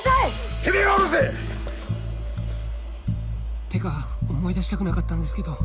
てめぇが下ろせ！ってか思い出したくなかったんですけど